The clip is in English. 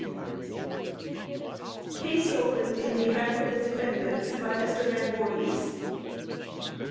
_ Case opened in behalf of the defendants by MR. VAN VOORHIS.